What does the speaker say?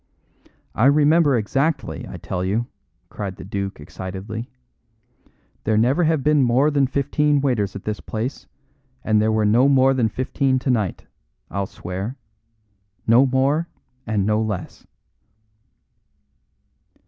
"I remember exactly, I tell you," cried the duke excitedly. "There never have been more than fifteen waiters at this place, and there were no more than fifteen tonight, I'll swear; no more and no less."